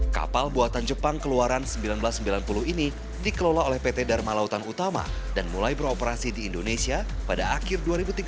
kapal buatan jepang keluaran seribu sembilan ratus sembilan puluh ini dikelola oleh pt dharma lautan utama dan mulai beroperasi di indonesia pada akhir dua ribu tiga belas